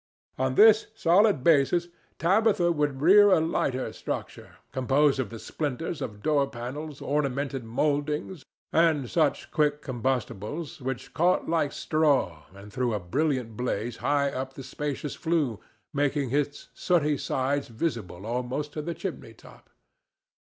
On this solid basis Tabitha would rear a lighter structure, composed of the splinters of door panels, ornamented mouldings, and such quick combustibles, which caught like straw and threw a brilliant blaze high up the spacious flue, making its sooty sides visible almost to the chimney top.